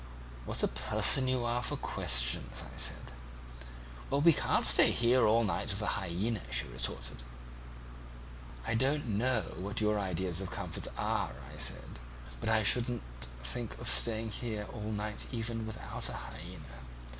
"'What a person you are for questions,' I said. "'Well, we can't stay here all night with a hyaena,' she retorted. "'I don't know what your ideas of comfort are,' I said; 'but I shouldn't think of staying here all night even without a hyaena.